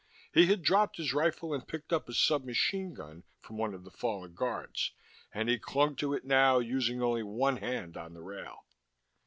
He had dropped his rifle and picked up a sub machine gun from one of the fallen guards, and he clung to it now, using only one hand on the rail.